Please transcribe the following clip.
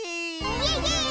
イエイイエーイ！